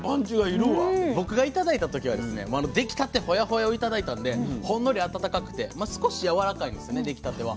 僕が頂いた時は出来たてホヤホヤを頂いたんでほんのり温かくてまあ少しやわらかいんですね出来たては。